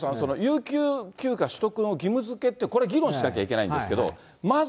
確かにこれ、デーブさん、有給休暇取得の義務づけって、これ、議論しなきゃいけないんですけども。